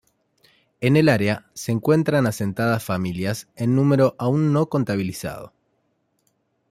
En el área se encuentran asentadas familias en número aún no contabilizado.